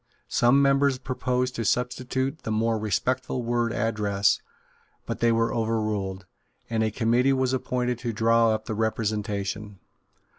Some members proposed to substitute the more respectful word Address: but they were overruled; and a committee was appointed to draw up the Representation.